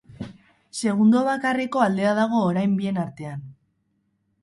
Segundo bakarreko aldea dago orain bien artean.